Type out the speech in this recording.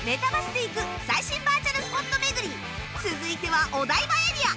続いてはお台場エリア！